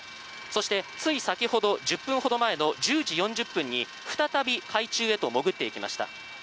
そして、つい先ほど１０分ほど前の１０時４０分に再び海中へと潜っていきました。